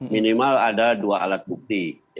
minimal ada dua alat bukti